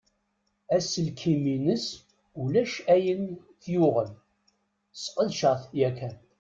Aselkim-ines ulac ayen t-yuɣen. Sqedceɣ-t yakan.